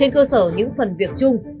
trên cơ sở những phần việc chung